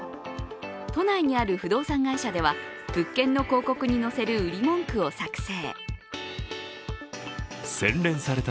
都内にある不動産会社では物件の広告に載せる売り文句を作成。